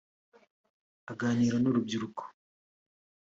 Aganira n’urubyiruko